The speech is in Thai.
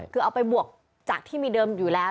คือเอาไปบวกจากที่มีเดิมอยู่แล้ว